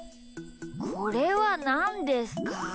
これはなんですか？